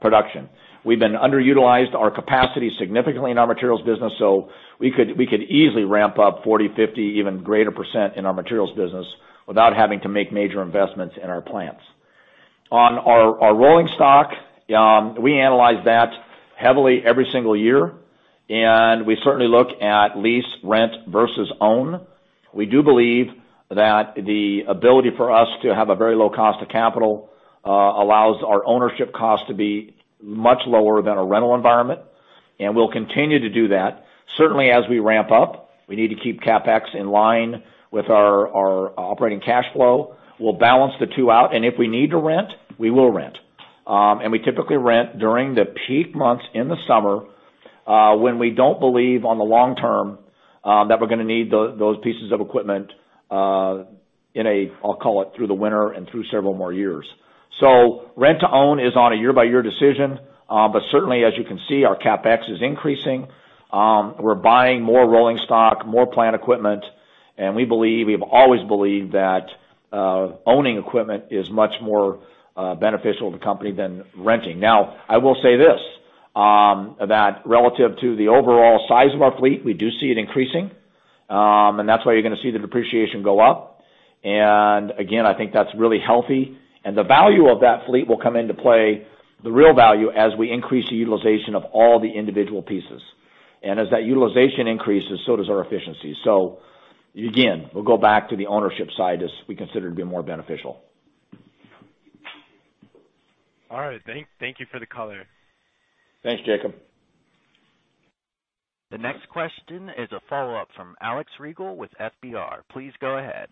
S3: production. We've been underutilized our capacity significantly in our materials business, so we could easily ramp up 40%-50%, even greater % in our materials business without having to make major investments in our plants. On our rolling stock, we analyze that heavily every single year, and we certainly look at lease, rent versus own. We do believe that the ability for us to have a very low cost of capital allows our ownership cost to be much lower than a rental environment, and we'll continue to do that. Certainly, as we ramp up, we need to keep CapEx in line with our operating cash flow. We'll balance the two out, and if we need to rent, we will rent. And we typically rent during the peak months in the summer when we don't believe on the long term that we're going to need those pieces of equipment in a - I'll call it through the winter and through several more years. So rent to own is on a year-by-year decision, but certainly, as you can see, our CapEx is increasing. We're buying more rolling stock, more plant equipment, and we believe, we've always believed that owning equipment is much more beneficial to the company than renting. Now, I will say this: relative to the overall size of our fleet, we do see it increasing, and that's why you're going to see the depreciation go up. And again, I think that's really healthy. And the value of that fleet will come into play, the real value, as we increase the utilization of all the individual pieces. And as that utilization increases, so does our efficiency. So again, we'll go back to the ownership side as we consider it to be more beneficial.
S13: All right. Thank you for the color.
S3: Thanks, Jacob.
S1: The next question is a follow-up from Alex Rygiel with FBR. Please go ahead.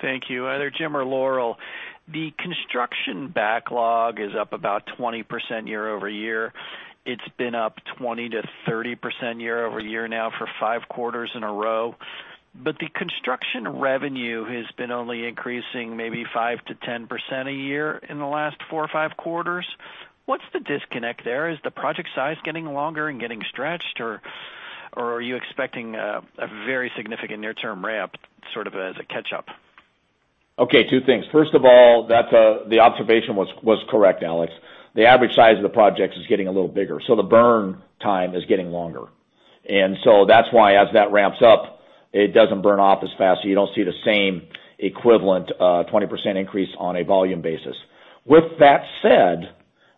S7: Thank you. Either Jim or Laurel. The construction backlog is up about 20% year-over-year. It's been up 20%-30% year-over-year now for 5 quarters in a row. But the construction revenue has been only increasing maybe 5%-10% a year in the last 4 or 5 quarters. What's the disconnect there? Is the project size getting longer and getting stretched, or are you expecting a very significant near-term ramp sort of as a catch-up?
S3: Okay. Two things. First of all, the observation was correct, Alex. The average size of the projects is getting a little bigger, so the burn time is getting longer. And so that's why as that ramps up, it doesn't burn off as fast, so you don't see the same equivalent 20% increase on a volume basis. With that said,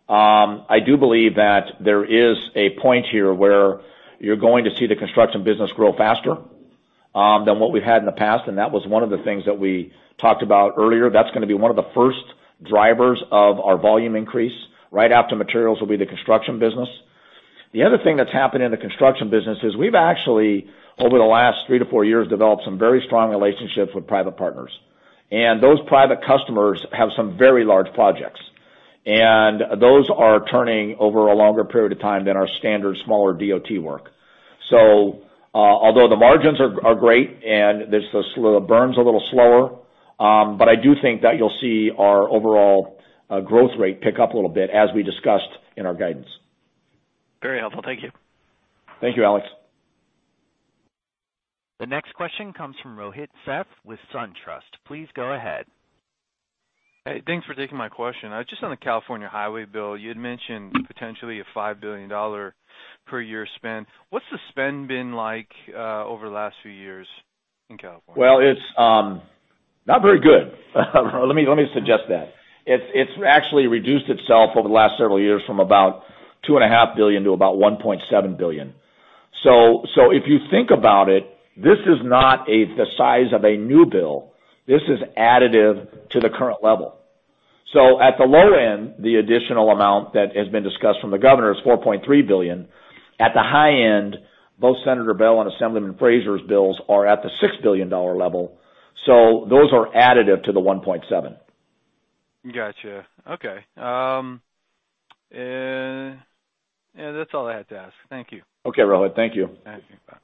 S3: I do believe that there is a point here where you're going to see the construction business grow faster than what we've had in the past, and that was one of the things that we talked about earlier. That's going to be one of the first drivers of our volume increase. Right after materials will be the construction business. The other thing that's happened in the construction business is we've actually, over the last 3-4 years, developed some very strong relationships with private partners. Those private customers have some very large projects, and those are turning over a longer period of time than our standard smaller DOT work. So although the margins are great and the burn's a little slower, but I do think that you'll see our overall growth rate pick up a little bit as we discussed in our guidance.
S7: Very helpful. Thank you.
S3: Thank you, Alex.
S1: The next question comes from Rohit Seth with SunTrust. Please go ahead.
S14: Hey, thanks for taking my question. Just on the California highway bill, you had mentioned potentially a $5 billion per year spend. What's the spend been like over the last few years in California?
S3: Well, it's not very good. Let me suggest that. It's actually reduced itself over the last several years from about $2.5 billion to about $1.7 billion. So if you think about it, this is not the size of a new bill. This is additive to the current level. So at the low end, the additional amount that has been discussed from the governor is $4.3 billion. At the high end, both Senator Beall and Assemblyman Frazier's bills are at the $6 billion level, so those are additive to the $1.7 billion.
S14: Gotcha. Okay. Yeah. That's all I had to ask. Thank you.
S3: Okay, Rohit. Thank you.
S14: Thank you. Bye.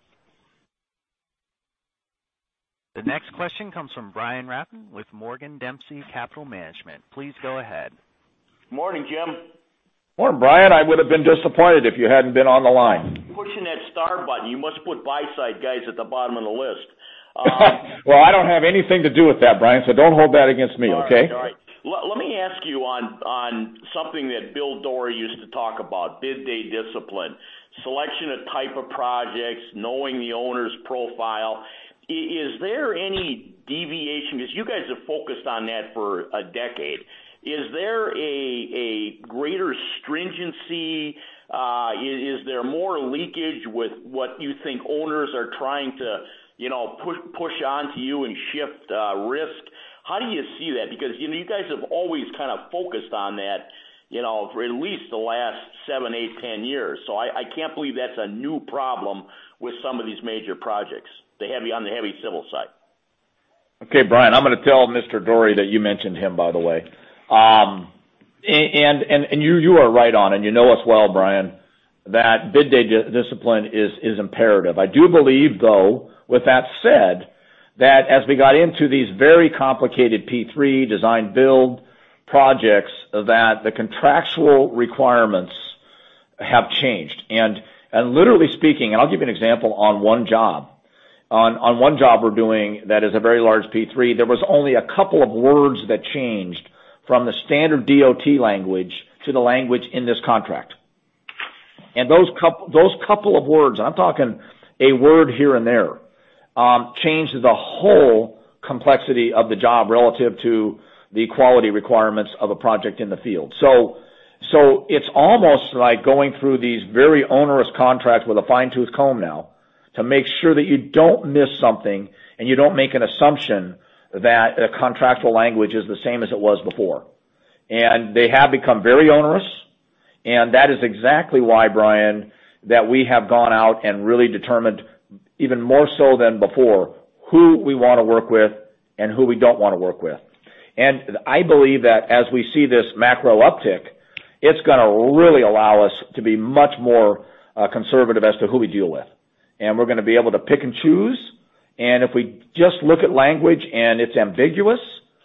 S1: The next question comes from Brian Rafn with Morgan Dempsey Capital Management. Please go ahead.
S15: Morning, Jim.
S3: Morning, Brian. I would have been disappointed if you hadn't been on the line.
S15: Pushing that star button, you must put buy-side guys at the bottom of the list.
S3: Well, I don't have anything to do with that, Brian, so don't hold that against me, okay?
S15: All right. Let me ask you on something that Bill Dorey used to talk about, bid-day discipline, selection of type of projects, knowing the owner's profile. Is there any deviation? Because you guys have focused on that for a decade. Is there a greater stringency? Is there more leakage with what you think owners are trying to push onto you and shift risk? How do you see that? Because you guys have always kind of focused on that for at least the last 7, 8, 10 years. So I can't believe that's a new problem with some of these major projects, on the heavy civil side.
S3: Okay, Brian. I'm going to tell Mr. Dorey that you mentioned him, by the way. And you are right on, and you know us well, Brian, that bid-day discipline is imperative. I do believe, though, with that said, that as we got into these very complicated P3 design-build projects, that the contractual requirements have changed. And literally speaking, and I'll give you an example on one job. On one job we're doing that is a very large P3, there was only a couple of words that changed from the standard DOT language to the language in this contract. And those couple of words, and I'm talking a word here and there, changed the whole complexity of the job relative to the quality requirements of a project in the field. It's almost like going through these very onerous contracts with a fine-toothed comb now to make sure that you don't miss something and you don't make an assumption that the contractual language is the same as it was before. They have become very onerous, and that is exactly why, Brian, that we have gone out and really determined, even more so than before, who we want to work with and who we don't want to work with. I believe that as we see this macro uptick, it's going to really allow us to be much more conservative as to who we deal with. We're going to be able to pick and choose, and if we just look at language and it's ambiguous,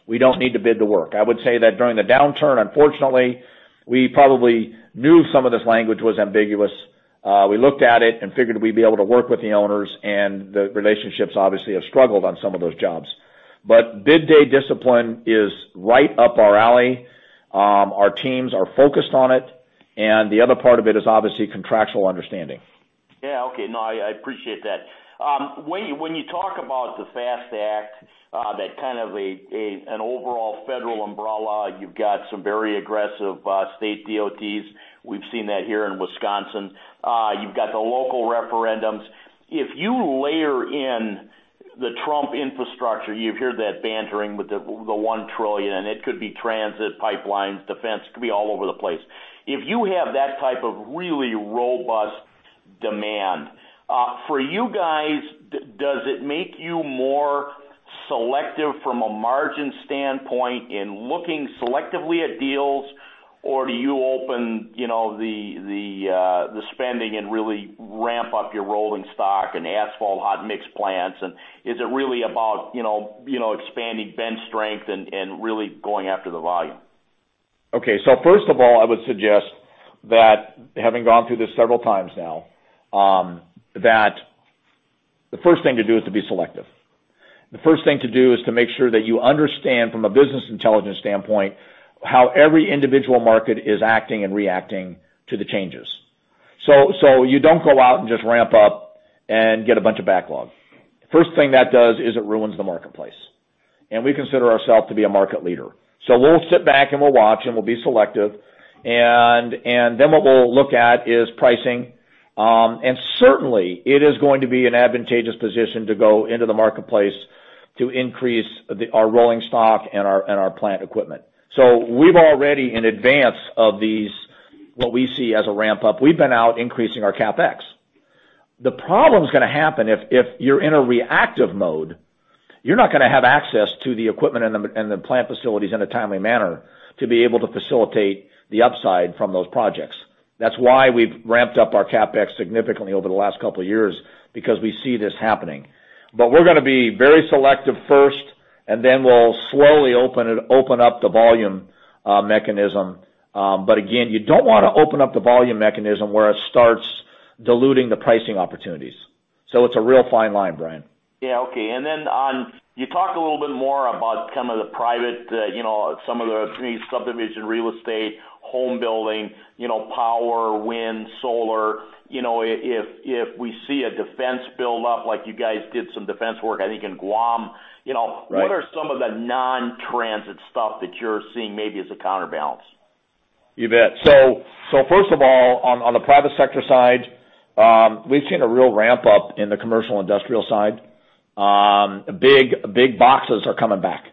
S3: we don't need to bid to work. I would say that during the downturn, unfortunately, we probably knew some of this language was ambiguous. We looked at it and figured we'd be able to work with the owners, and the relationships obviously have struggled on some of those jobs. But bid-day discipline is right up our alley. Our teams are focused on it, and the other part of it is obviously contractual understanding.
S15: Yeah. Okay. No, I appreciate that. When you talk about the FAST Act, that kind of an overall federal umbrella, you've got some very aggressive state DOTs. We've seen that here in Wisconsin. You've got the local referendums. If you layer in the Trump infrastructure, you've heard that bantering with the $1 trillion, and it could be transit, pipelines, defense. It could be all over the place. If you have that type of really robust demand, for you guys, does it make you more selective from a margin standpoint in looking selectively at deals, or do you open the spending and really ramp up your rolling stock and asphalt hot mix plants? And is it really about expanding bench strength and really going after the volume?
S3: Okay. So first of all, I would suggest that, having gone through this several times now, that the first thing to do is to be selective. The first thing to do is to make sure that you understand, from a business intelligence standpoint, how every individual market is acting and reacting to the changes. So you don't go out and just ramp up and get a bunch of backlog. The first thing that does is it ruins the marketplace, and we consider ourselves to be a market leader. So we'll sit back and we'll watch, and we'll be selective. And then what we'll look at is pricing. And certainly, it is going to be an advantageous position to go into the marketplace to increase our rolling stock and our plant equipment. So we've already, in advance of what we see as a ramp-up, we've been out increasing our CapEx. The problem's going to happen if you're in a reactive mode. You're not going to have access to the equipment and the plant facilities in a timely manner to be able to facilitate the upside from those projects. That's why we've ramped up our CapEx significantly over the last couple of years because we see this happening. But we're going to be very selective first, and then we'll slowly open up the volume mechanism. But again, you don't want to open up the volume mechanism where it starts diluting the pricing opportunities. So it's a real fine line, Brian.
S15: Yeah. Okay. And then on. You talk a little bit more about some of the private, some of the subdivision real estate, home building, power, wind, solar. If we see a defense build-up, like you guys did some defense work, I think, in Guam, what are some of the non-transit stuff that you're seeing maybe as a counterbalance?
S3: You bet. So first of all, on the private sector side, we've seen a real ramp-up in the commercial industrial side. Big boxes are coming back.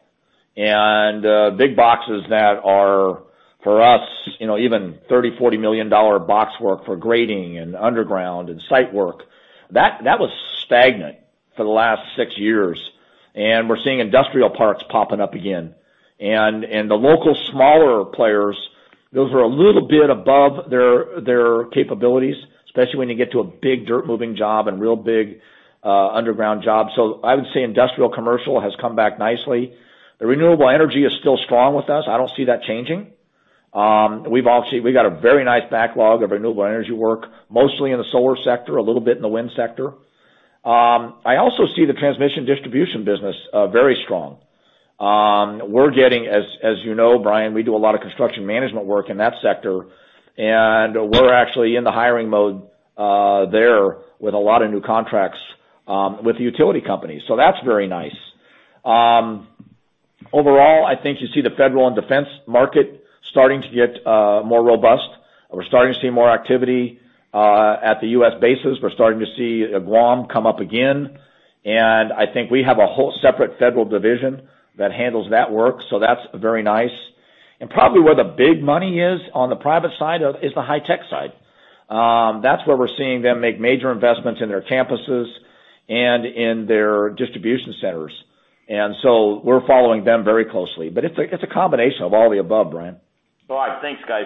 S3: And big boxes that are, for us, even $30-$40 million box work for grading and underground and site work, that was stagnant for the last six years. And we're seeing industrial parks popping up again. And the local smaller players, those are a little bit above their capabilities, especially when you get to a big dirt-moving job and real big underground job. So I would say industrial commercial has come back nicely. The renewable energy is still strong with us. I don't see that changing. We've got a very nice backlog of renewable energy work, mostly in the solar sector, a little bit in the wind sector. I also see the transmission distribution business very strong. We're getting, as you know, Brian, we do a lot of construction management work in that sector, and we're actually in the hiring mode there with a lot of new contracts with the utility companies. So that's very nice. Overall, I think you see the federal and defense market starting to get more robust. We're starting to see more activity at the U.S. bases. We're starting to see Guam come up again. And I think we have a whole separate federal division that handles that work, so that's very nice. And probably where the big money is on the private side is the high-tech side. That's where we're seeing them make major investments in their campuses and in their distribution centers. And so we're following them very closely. But it's a combination of all the above, Brian.
S15: All right. Thanks, guys.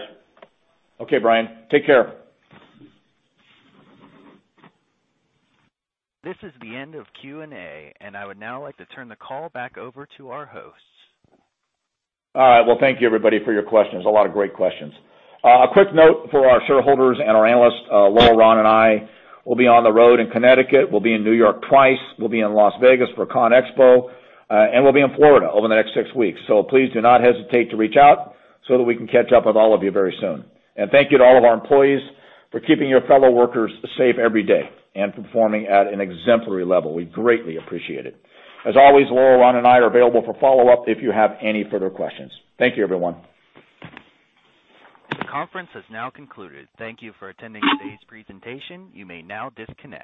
S3: Okay, Brian. Take care.
S1: This is the end of Q&A, and I would now like to turn the call back over to our hosts.
S3: All right. Well, thank you, everybody, for your questions. A lot of great questions. A quick note for our shareholders and our analysts. Laurel, Ron, and I will be on the road in Connecticut. We'll be in New York twice. We'll be in Las Vegas for ConExpo, and we'll be in Florida over the next six weeks. So please do not hesitate to reach out so that we can catch up with all of you very soon. And thank you to all of our employees for keeping your fellow workers safe every day and performing at an exemplary level. We greatly appreciate it. As always, Laurel, Ron, and I are available for follow-up if you have any further questions. Thank you, everyone.
S1: The conference has now concluded. Thank you for attending today's presentation. You may now disconnect.